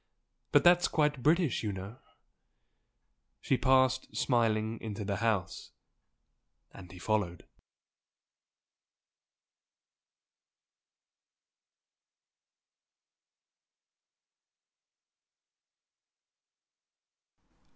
But that's quite British you know!" She passed, smiling, into the house, and he followed.